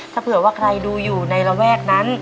ถ้าเผื่อว่าใครดูอยู่ในระแวกนั้น